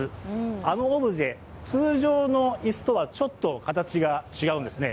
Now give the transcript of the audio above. あのオブジェ、通常の椅子とはちょっと形が違うんですよね。